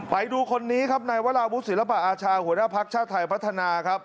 ไปดูคนนี้ครับนายวราวุศิลปะอาชาหัวหน้าภักดิ์ชาติไทยพัฒนาครับ